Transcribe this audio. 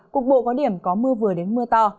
cục bộ có điểm có mưa vừa đến mưa to